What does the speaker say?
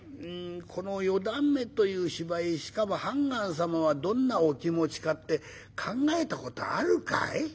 この『四段目』という芝居しかも判官様はどんなお気持ちかって考えた事あるかい？